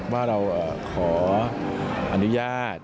ว่าเราขออนุญาต